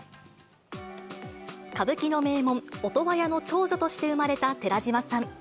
歌舞伎の名門、音羽屋の長女として生まれた寺島さん。